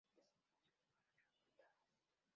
Estas afirmaciones fueron refutadas.